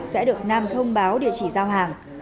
sẽ được nam thông báo địa chỉ giao hàng